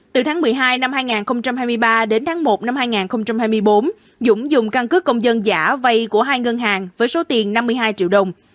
từ tháng một mươi hai năm hai nghìn hai mươi ba đến tháng một năm hai nghìn hai mươi bốn dũng dùng căn cứ công dân giả vay của hai ngân hàng với số tiền năm mươi hai triệu đồng